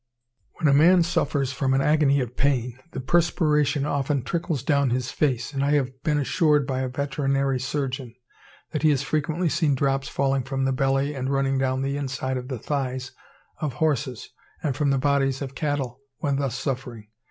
When a man suffers from an agony of pain, the perspiration often trickles down his face; and I have been assured by a veterinary surgeon that he has frequently seen drops falling from the belly and running down the inside of the thighs of horses, and from the bodies of cattle, when thus suffering.